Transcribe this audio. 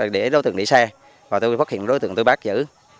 đối tượng đi xe và tôi phát hiện đối tượng tôi bác giữ